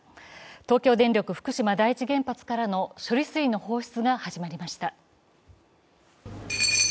東京電力・福島第一原発からの処理水の放出が始まりました。